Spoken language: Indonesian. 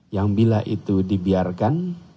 yang bila itu dibiarkan